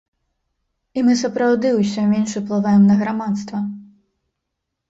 І мы сапраўды ўсё менш уплываем на грамадства.